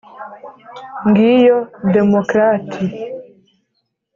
Ngiyo Democratie